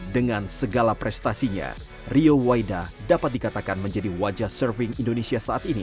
dengan segala prestasinya rio waida dapat dikatakan menjadi wajah surfing indonesia saat ini